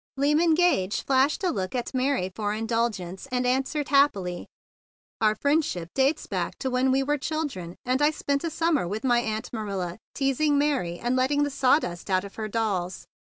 Lyman Gage flashed a look at Mary for indulgence, and answered happily. "Our friendship dates back to when we were children and I spent a summer with my Aunt Marilla teasing Mary, and letting the sawdust out of her dolls."